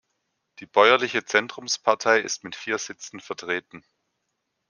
Die bäuerliche Zentrumspartei ist mit vier Sitzen vertreten.